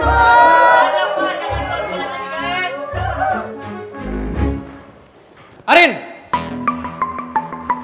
gak mau namanya barengan gitu